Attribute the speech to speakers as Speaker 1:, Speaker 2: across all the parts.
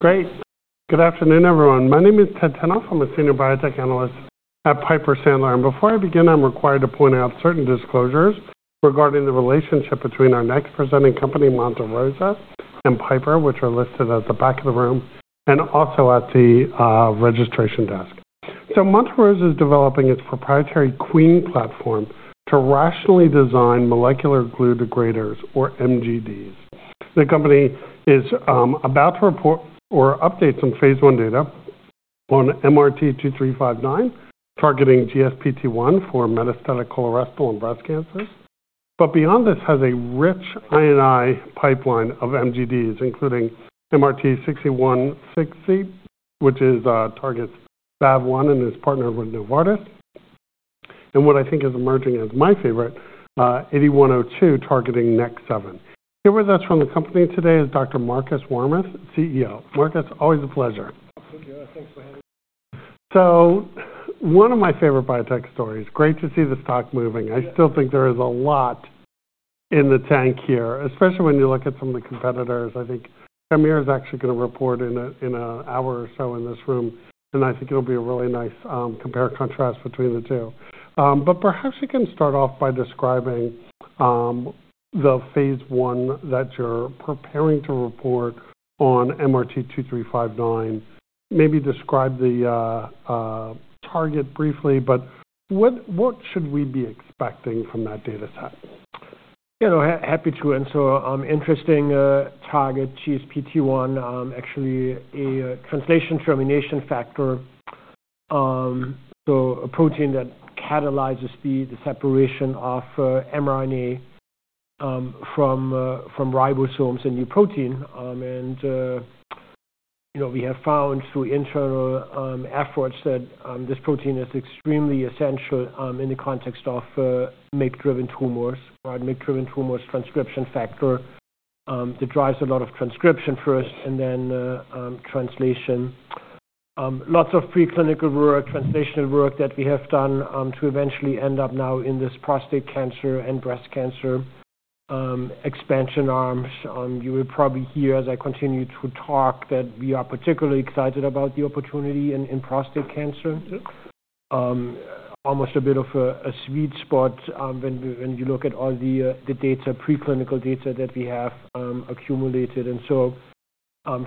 Speaker 1: Great. Good afternoon, everyone. My name is Ted Tenthoff. I'm a senior biotech analyst at Piper Sandler. And before I begin, I'm required to point out certain disclosures regarding the relationship between our next presenting company, Monte Rosa, and Piper, which are listed at the back of the room and also at the registration desk. So Monte Rosa is developing its proprietary QuEEN platform to rationally design molecular glue degraders, or MGDs. The company is about to report or update some Phase 1 data on MRT-2359, targeting GSPT1 for metastatic colorectal and breast cancers. But beyond this, it has a rich INI pipeline of MGDs, including MRT-6160, which targets VAV1 and is partnered with Novartis. And what I think is emerging as my favorite, MRT-8102, targeting NEK7. Here with us from the company today is Dr. Markus Warmuth, CEO. Markus, always a pleasure.
Speaker 2: Thank you. Thanks for having me.
Speaker 1: One of my favorite biotech stories: great to see the stock moving. I still think there is a lot in the tank here, especially when you look at some of the competitors. I think is actually going to report in an hour or so in this room. And I think it'll be a really nice compare-contrast between the two. But perhaps you can start off by describing the Phase 1 that you're preparing to report on MRT-2359. Maybe describe the target briefly, but what should we be expecting from that data set?
Speaker 2: Yeah. Happy to. And so interesting target, GSPT1, actually a translation termination factor, so a protein that catalyzes the separation of mRNA from ribosomes in new protein. And we have found through internal efforts that this protein is extremely essential in the context of MYC-driven tumors, right? MYC-driven tumors, transcription factor that drives a lot of transcription first and then translation. Lots of preclinical work, translational work that we have done to eventually end up now in this prostate cancer and breast cancer expansion arms. You will probably hear, as I continue to talk, that we are particularly excited about the opportunity in prostate cancer. Almost a bit of a sweet spot when you look at all the data, preclinical data that we have accumulated. And so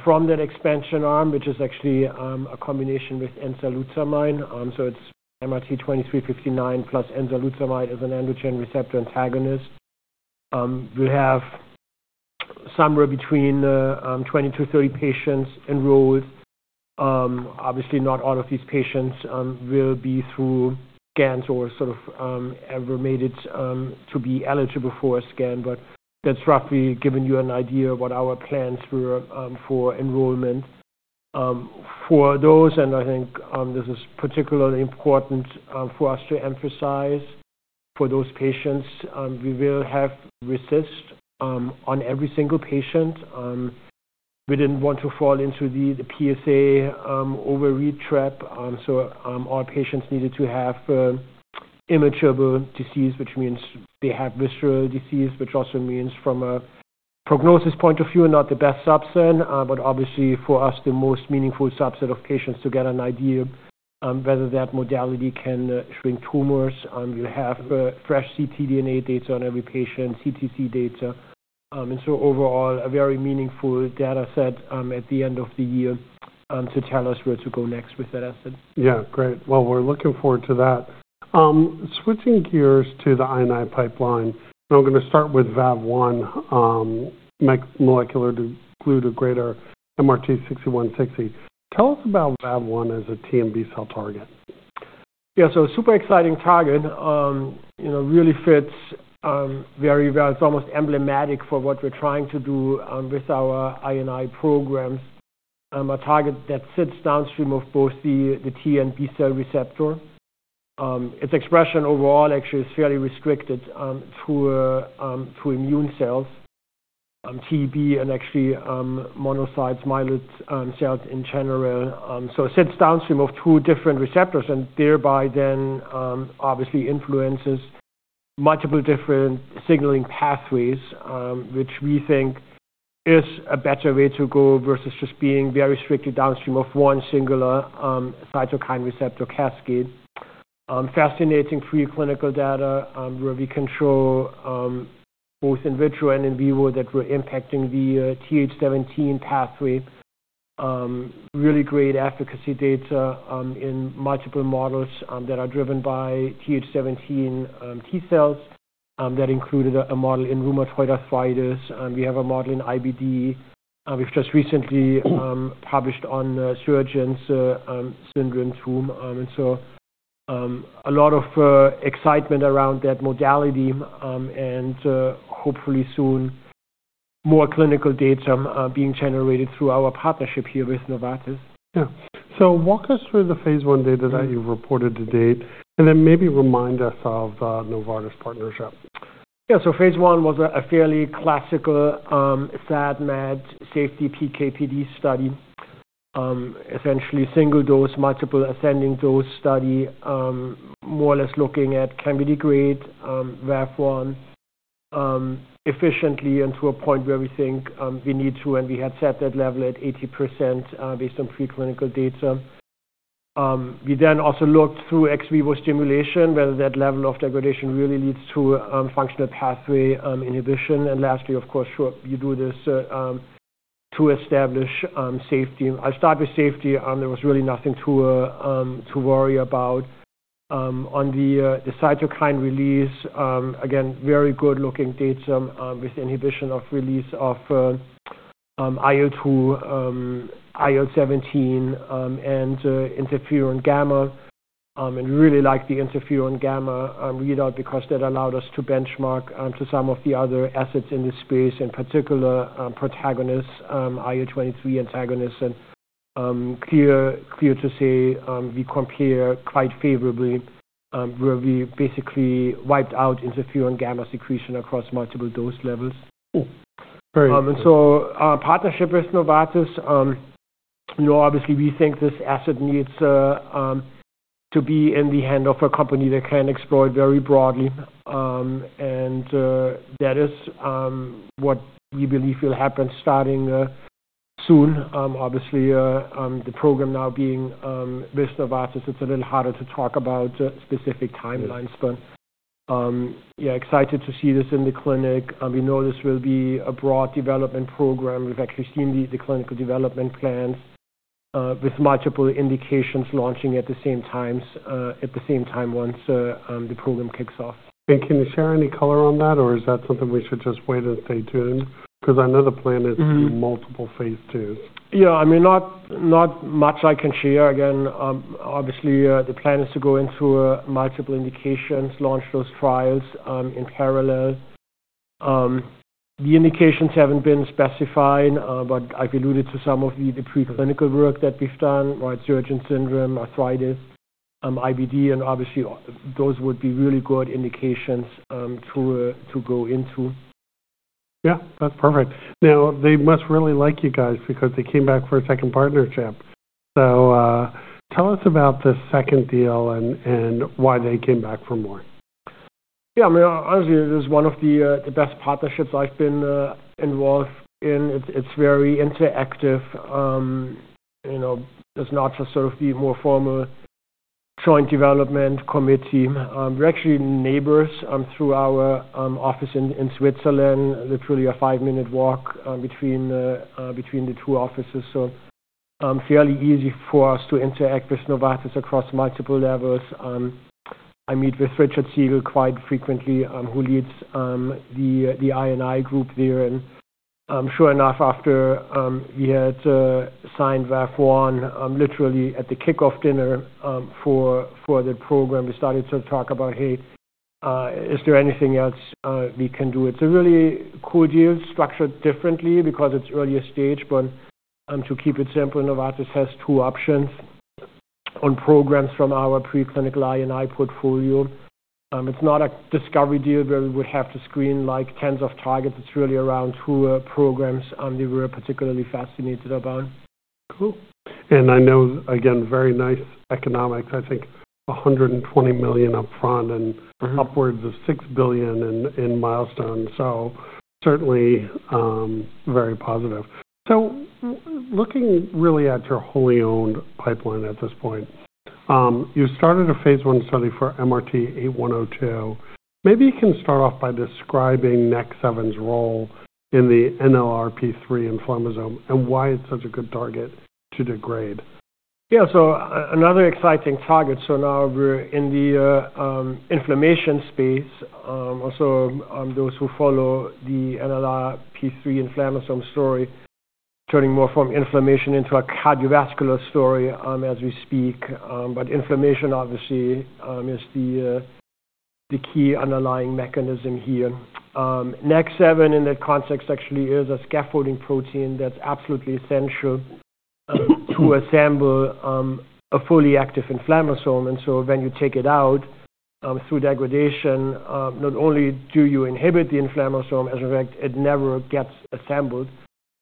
Speaker 2: from that expansion arm, which is actually a combination with enzalutamide, so it's MRT-2359 plus enzalutamide as an androgen receptor antagonist, we have somewhere between 20-30 patients enrolled. Obviously, not all of these patients will be through scans or sort of ever made it to be eligible for a scan. But that's roughly giving you an idea of what our plans were for enrollment for those. And I think this is particularly important for us to emphasize for those patients. We will have RECIST on every single patient. We didn't want to fall into the PSA overread trap. So all patients needed to have measurable disease, which means they have visceral disease, which also means from a prognosis point of view, not the best subset. But obviously, for us, the most meaningful subset of patients to get an idea whether that modality can shrink tumors. We'll have fresh ctDNA data on every patient, CTC data. And so overall, a very meaningful data set at the end of the year to tell us where to go next with that asset.
Speaker 1: Yeah. Great. Well, we're looking forward to that. Switching gears to the INI pipeline, I'm going to start with VAV1, molecular glue degrader, MRT-6160. Tell us about VAV1 as a T and B cell target.
Speaker 2: Yeah. So super exciting target. Really fits very well. It's almost emblematic for what we're trying to do with our INI programs. A target that sits downstream of both the T and B cell receptor. Its expression overall actually is fairly restricted through immune cells, T/B, and actually monocytes, myeloid cells in general. So it sits downstream of two different receptors and thereby then obviously influences multiple different signaling pathways, which we think is a better way to go versus just being very strictly downstream of one singular cytokine receptor cascade. Fascinating preclinical data where we control both in vitro and in vivo that were impacting the Th17 pathway. Really great efficacy data in multiple models that are driven by Th17 T cells that included a model in rheumatoid arthritis. We have a model in IBD. We've just recently published on Sjögren's syndrome too. A lot of excitement around that modality and hopefully soon more clinical data being generated through our partnership here with Novartis.
Speaker 1: Yeah. So walk us through the Phase 1 data that you've reported to date, and then maybe remind us of Novartis partnership?
Speaker 2: Yeah. So Phase 1 was a fairly classical SAD/MAD safety PK/PD study, essentially single dose, multiple ascending dose study, more or less looking at can we degrade VAV1 efficiently and to a point where we think we need to, and we had set that level at 80% based on preclinical data. We then also looked through ex vivo stimulation whether that level of degradation really leads to functional pathway inhibition. And lastly, of course, you do this to establish safety. I'll start with safety. There was really nothing to worry about. On the cytokine release, again, very good-looking data with inhibition of release of IL-2, IL-17, and interferon-gamma. And we really liked the interferon-gamma readout because that allowed us to benchmark to some of the other assets in this space, in particular protagonist's IL-23 antagonists. Clear to say we compare quite favorably where we basically wiped out interferon-gamma secretion across multiple dose levels.
Speaker 1: Great.
Speaker 2: And so our partnership with Novartis, obviously, we think this asset needs to be in the hands of a company that can explore it very broadly. And that is what we believe will happen starting soon. Obviously, the program now being with Novartis, it is a little harder to talk about specific timelines. But yeah, excited to see this in the clinic. We know this will be a broad development program. We have actually seen the clinical development plans with multiple indications launching at the same time, once the program kicks off.
Speaker 1: Can you share any color on that, or is that something we should just wait and stay tuned? Because I know the plan is to do multiple Phase 2.
Speaker 2: Yeah. I mean, not much I can share. Again, obviously, the plan is to go into multiple indications, launch those trials in parallel. The indications haven't been specified, but I've alluded to some of the preclinical work that we've done, right? Sjögren's syndrome, arthritis, IBD, and obviously, those would be really good indications to go into.
Speaker 1: Yeah. That's perfect. Now, they must really like you guys because they came back for a second partnership. So tell us about the second deal and why they came back for more?
Speaker 2: Yeah. I mean, honestly, it is one of the best partnerships I've been involved in. It's very interactive. It's not just sort of the more formal joint development committee. We're actually neighbors through our office in Switzerland, literally a five-minute walk between the two offices. So fairly easy for us to interact with Novartis across multiple levels. I meet with Richard Siegel quite frequently, who leads the INI group there. And sure enough, after we had signed VAV1, literally at the kickoff dinner for the program, we started to talk about, "Hey, is there anything else we can do?" It's a really cool deal, structured differently because it's earlier stage. But to keep it simple, Novartis has two options on programs from our preclinical INI portfolio. It's not a discovery deal where we would have to screen tens of targets. It's really around two programs we were particularly fascinated about.
Speaker 1: Cool. And I know, again, very nice economics. I think $120 million upfront and upwards of $6 billion in milestones. So certainly very positive. So looking really at your wholly owned pipeline at this point, you started a Phase 1 study for MRT-8102. Maybe you can start off by describing NEK7's role in the NLRP3 inflammasome and why it's such a good target to degrade.
Speaker 2: Yeah. So another exciting target. So now we're in the inflammation space. Also, those who follow the NLRP3 inflammasome story, turning more from inflammation into a cardiovascular story as we speak. But inflammation, obviously, is the key underlying mechanism here. NEK7, in that context, actually is a scaffolding protein that's absolutely essential to assemble a fully active inflammasome. And so when you take it out through degradation, not only do you inhibit the inflammasome, as a result, it never gets assembled,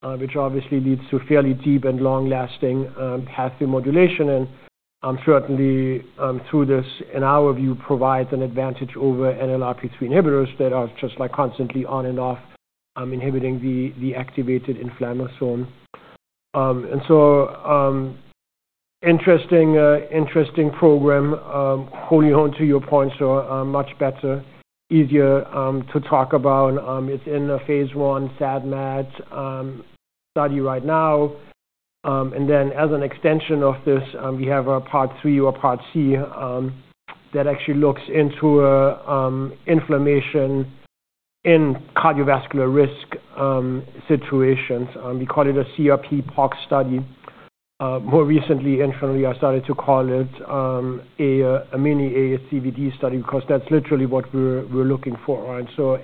Speaker 2: which obviously leads to fairly deep and long-lasting pathway modulation. And certainly, through this, in our view, provides an advantage over NLRP3 inhibitors that are just constantly on and off, inhibiting the activated inflammasome. And so interesting program, wholly owned to your point, so much better, easier to talk about. It's in a Phase 1 SAD/MAD study right now. And then as an extension of this, we have a Part 3 or Part C that actually looks into inflammation in cardiovascular risk situations. We call it a CRP POC study. More recently, internally, I started to call it a mini ASCVD study because that's literally what we're looking for. And so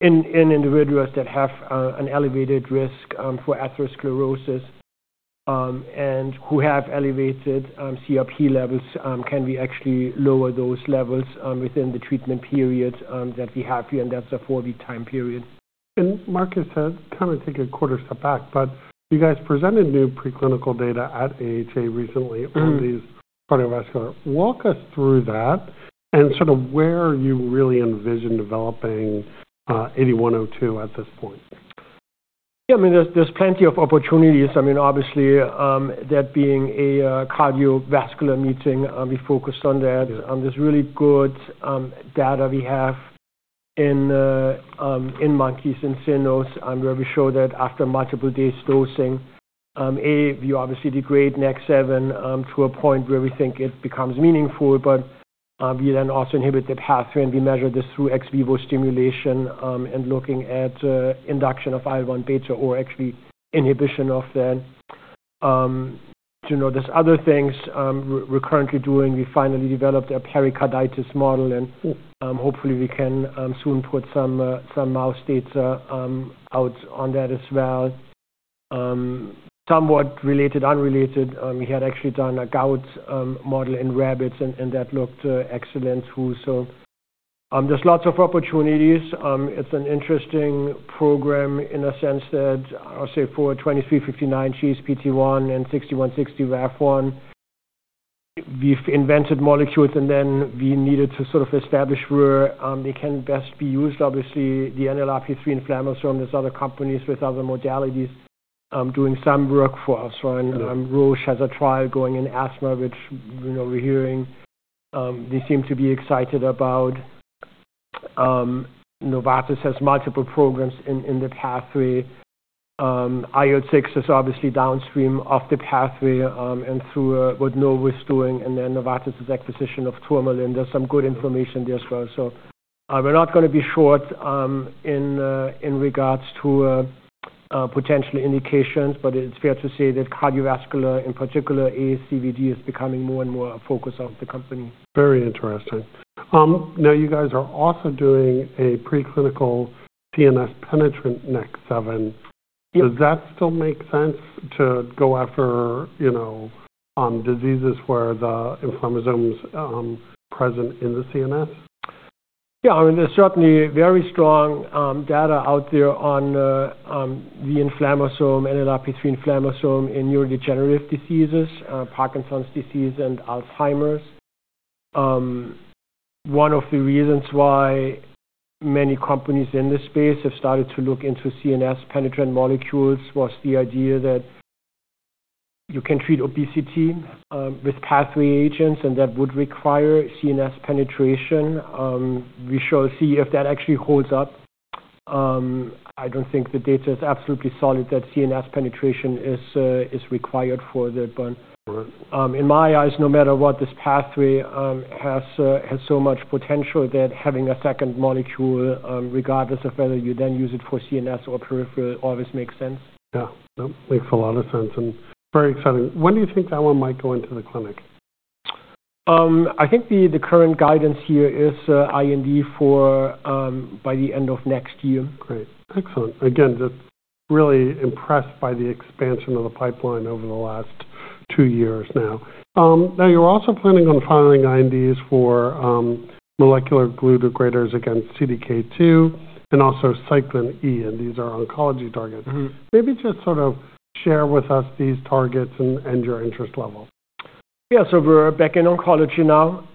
Speaker 2: in individuals that have an elevated risk for atherosclerosis and who have elevated CRP levels, can we actually lower those levels within the treatment period that we have here? And that's a four-week time period.
Speaker 1: Markus said, "Kind of take a quarter step back." But you guys presented new preclinical data at AHA recently on these cardiovascular. Walk us through that and sort of where you really envision developing 8102 at this point?
Speaker 2: Yeah. I mean, there's plenty of opportunities. I mean, obviously, that being a cardiovascular meeting, we focused on that. There's really good data we have in monkeys, in CYNOs, where we show that after multiple days dosing, A, we obviously degrade NEK7 to a point where we think it becomes meaningful. But we then also inhibit the pathway, and we measure this through ex vivo stimulation and looking at induction of IL-1 beta or actually inhibition of that. There's other things we're currently doing. We finally developed a pericarditis model, and hopefully, we can soon put some mouse data out on that as well. Somewhat related, unrelated, we had actually done a gout model in rabbits, and that looked excellent too. So there's lots of opportunities. It's an interesting program in a sense that, I'll say, for 2359, GSPT1 and 6160 VAV1, we've invented molecules, and then we needed to sort of establish where they can best be used. Obviously, the NLRP3 inflammasome, there's other companies with other modalities doing some work for us. Roche has a trial going in asthma, which we're hearing they seem to be excited about. Novartis has multiple programs in the pathway. IL-6 is obviously downstream of the pathway and through what Novo Nordisk was doing. And then Novartis's acquisition of Tourmaline Bio. There's some good information there as well. So we're not going to be short in regards to potential indications. But it's fair to say that cardiovascular, in particular, ASCVD is becoming more and more a focus of the company.
Speaker 1: Very interesting. Now, you guys are also doing a preclinical CNS penetrant NEK7. Does that still make sense to go after diseases where the inflammasome is present in the CNS?
Speaker 2: Yeah. I mean, there's certainly very strong data out there on the inflammasome, NLRP3 inflammasome in neurodegenerative diseases, Parkinson's disease, and Alzheimer's. One of the reasons why many companies in this space have started to look into CNS penetrant molecules was the idea that you can treat obesity with pathway agents, and that would require CNS penetration. We shall see if that actually holds up. I don't think the data is absolutely solid that CNS penetration is required for that. But in my eyes, no matter what, this pathway has so much potential that having a second molecule, regardless of whether you then use it for CNS or peripheral, always makes sense.
Speaker 1: Yeah. That makes a lot of sense and very exciting. When do you think that one might go into the clinic?
Speaker 2: I think the current guidance here is IND by the end of next year.
Speaker 1: Great. Excellent. Again, just really impressed by the expansion of the pipeline over the last two years now. Now, you're also planning on filing INDs for molecular glue degraders against CDK2 and also cyclin E1, and these are oncology targets. Maybe just sort of share with us these targets and your interest level.
Speaker 2: Yeah. So we're back in oncology now.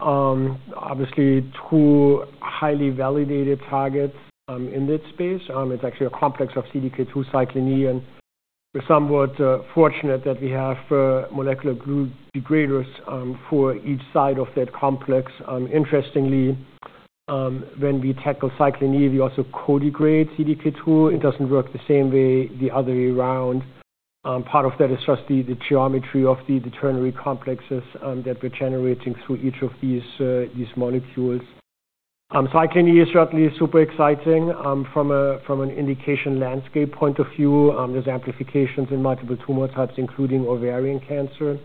Speaker 2: Obviously, two highly validated targets in that space. It's actually a complex of CDK2, cyclin E1, and we're somewhat fortunate that we have molecular glue degraders for each side of that complex. Interestingly, when we tackle cyclin E1, we also co-degrade CDK2. It doesn't work the same way the other way around. Part of that is just the geometry of the ternary complexes that we're generating through each of these molecules. cyclin E1 is certainly super exciting from an indication landscape point of view. There's amplifications in multiple tumor types, including ovarian cancer.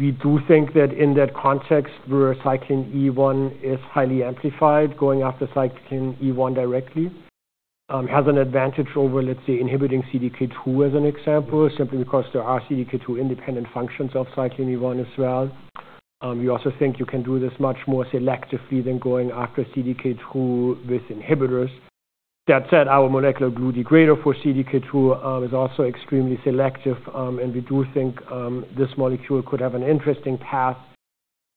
Speaker 2: We do think that in that context, where cyclin E1 is highly amplified, going after cyclin E1 directly has an advantage over, let's say, inhibiting CDK2 as an example, simply because there are CDK2-independent functions of cyclin E1 as well. We also think you can do this much more selectively than going after CDK2 with inhibitors. That said, our molecular glue degrader for CDK2 is also extremely selective, and we do think this molecule could have an interesting path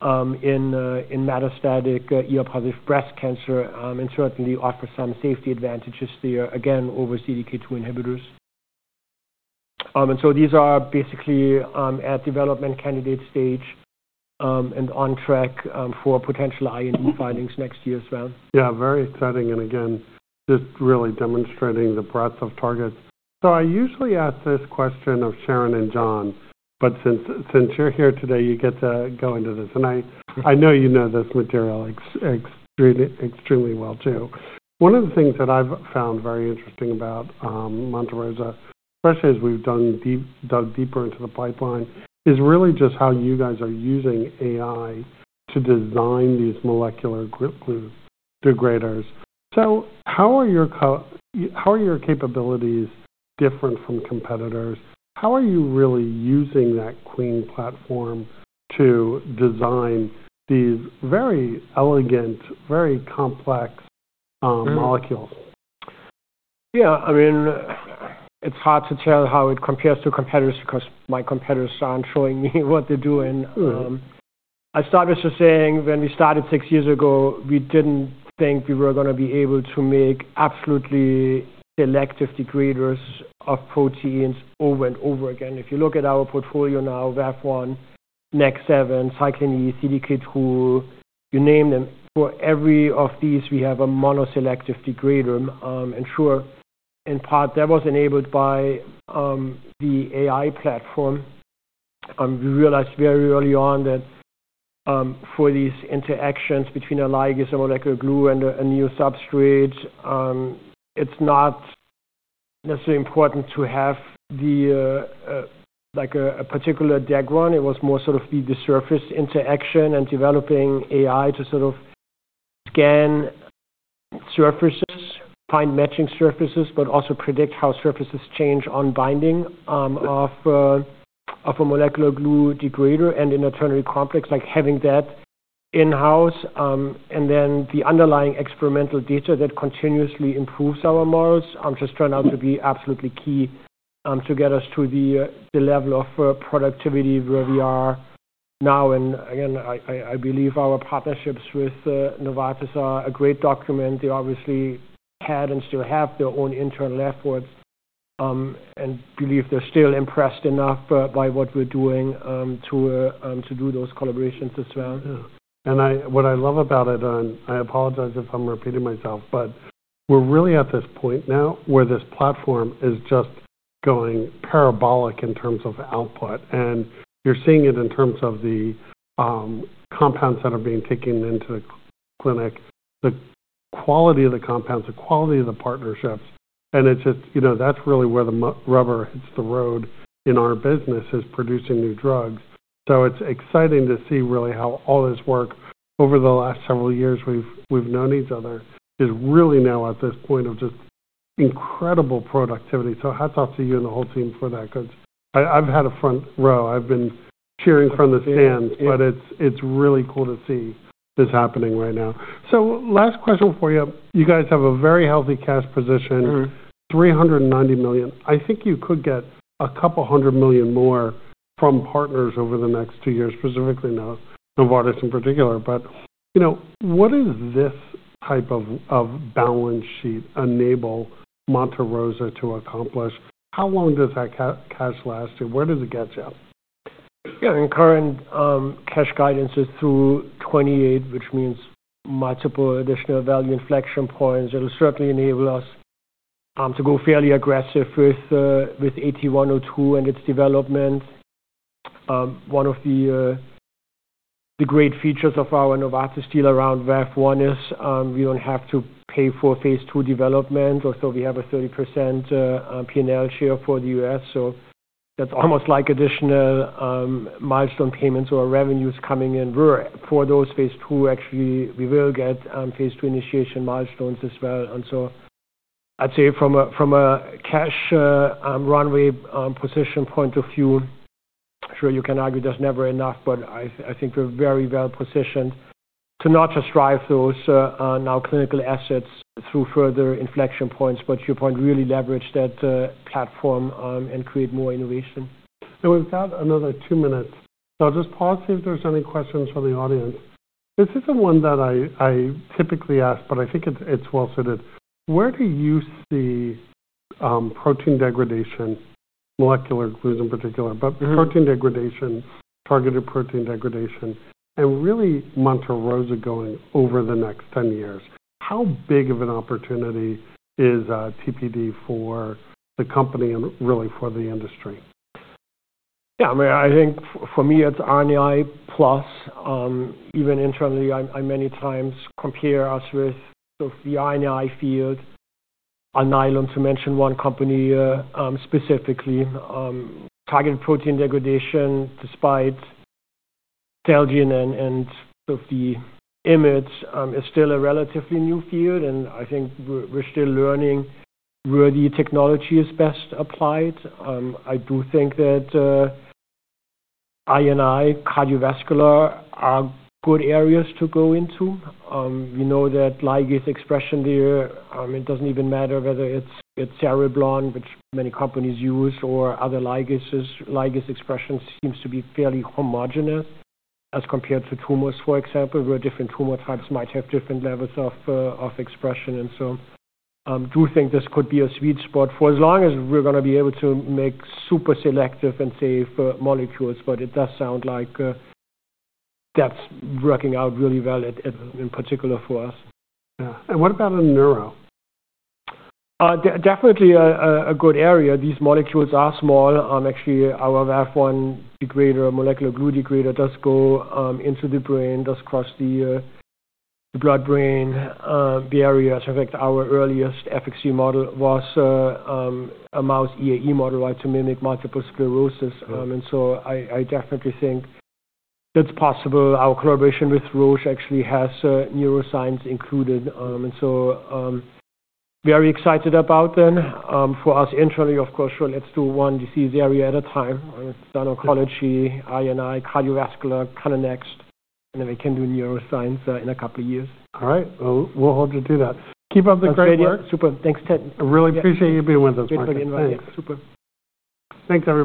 Speaker 2: in metastatic ER-positive breast cancer and certainly offer some safety advantages there, again, over CDK2 inhibitors. And so these are basically at development candidate stage and on track for potential IND filings next year as well.
Speaker 1: Yeah. Very exciting. And again, just really demonstrating the breadth of targets. So I usually ask this question of Sharon and John, but since you're here today, you get to go into this. And I know you know this material extremely well too. One of the things that I've found very interesting about Monte Rosa, especially as we've dug deeper into the pipeline, is really just how you guys are using AI to design these molecular glue degraders. So how are your capabilities different from competitors? How are you really using that QuEEN platform to design these very elegant, very complex molecules?
Speaker 2: Yeah. I mean, it's hard to tell how it compares to competitors because my competitors aren't showing me what they're doing. I started just saying, when we started six years ago, we didn't think we were going to be able to make absolutely selective degraders of proteins over and over again. If you look at our portfolio now, VAV1, NEK7, cyclin E1, CDK2, you name them, for every one of these, we have a monoselective degrader. Sure, in part, that was enabled by the AI platform. We realized very early on that for these interactions between a ligase and molecular glue and a new substrate, it's not necessarily important to have a particular design. It was more sort of the surface interaction and developing AI to sort of scan surfaces, find matching surfaces, but also predict how surfaces change on binding of a molecular glue degrader and in a ternary complex, like having that in-house, and then the underlying experimental data that continuously improves our models just turned out to be absolutely key to get us to the level of productivity where we are now, and again, I believe our partnerships with Novartis are a great endorsement. They obviously had and still have their own internal efforts and believe they're still impressed enough by what we're doing to do those collaborations as well.
Speaker 1: And what I love about it, and I apologize if I'm repeating myself, but we're really at this point now where this platform is just going parabolic in terms of output. And you're seeing it in terms of the compounds that are being taken into the clinic, the quality of the compounds, the quality of the partnerships. And that's really where the rubber hits the road in our business is producing new drugs. So it's exciting to see really how all this work over the last several years we've known each other is really now at this point of just incredible productivity. So hats off to you and the whole team for that because I've had a front row. I've been cheering from the stands, but it's really cool to see this happening right now. So last question for you. You guys have a very healthy cash position, $390 million. I think you could get a couple hundred million more from partners over the next two years, specifically now, Novartis in particular. But what does this type of balance sheet enable Monte Rosa to accomplish? How long does that cash last? Where does it get you?
Speaker 2: Yeah. And current cash guidance is through 2028, which means multiple additional value inflection points. It'll certainly enable us to go fairly aggressive with 8102 and its development. One of the great features of our Novartis deal around VAV1 is we don't have to pay for Phase 2 development. Also, we have a 30% P&L share for the U.S. So that's almost like additional milestone payments or revenues coming in. For those Phase 2, actually, we will get Phase 2 initiation milestones as well. And so I'd say from a cash runway position point of view, sure, you can argue there's never enough, but I think we're very well positioned to not just drive those now clinical assets through further inflection points, but to your point, really leverage that platform and create more innovation.
Speaker 1: So we've got another two minutes. So I'll just pause to see if there's any questions from the audience. This is the one that I typically ask, but I think it's well-suited. Where do you see protein degradation, molecular glue in particular, but protein degradation, targeted protein degradation, and really Monte Rosa going over the next 10 years? How big of an opportunity is TPD for the company and really for the industry?
Speaker 2: Yeah. I mean, I think for me, it's INI plus. Even internally, I many times compare us with the INI field, Alnylam, to mention one company specifically. Targeted protein degradation, despite and the IMiDs, is still a relatively new field, and I think we're still learning where the technology is best applied. I do think that INI cardiovascular are good areas to go into. We know that ligase expression there, it doesn't even matter whether it's cereblon, which many companies use, or other ligases. Ligase expression seems to be fairly homogeneous as compared to tumors, for example, where different tumor types might have different levels of expression. And so I do think this could be a sweet spot for as long as we're going to be able to make super selective and safe molecules. But it does sound like that's working out really well in particular for us.
Speaker 1: Yeah. And what about in neuro?
Speaker 2: Definitely a good area. These molecules are small. Actually, our VAV1 degrader, molecular glue degrader, does go into the brain, does cross the blood-brain barrier. In fact, our earliest efficacy model was a mouse EAE model, right, to mimic multiple sclerosis. And so I definitely think it's possible. Our collaboration with Roche actually has neuroscience included. And so very excited about them. For us internally, of course, sure, let's do one disease area at a time. I've done oncology, INI, cardiovascular, kind of next, and then we can do neuroscience in a couple of years.
Speaker 1: All right. Well, we'll hold you to that. Keep up the great work.
Speaker 2: Thanks, Ted.
Speaker 1: Really appreciate you being with us, Mike.
Speaker 2: Thanks again. Thanks. Super.
Speaker 1: Thanks, everyone.